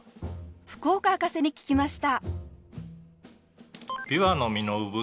福岡博士に聞きました。